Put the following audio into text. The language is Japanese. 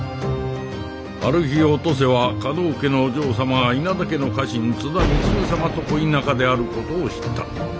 ある日お登勢は加納家のお嬢様が稲田家の家臣津田貢様と恋仲であることを知った。